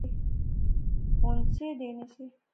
ہن سے دینے سے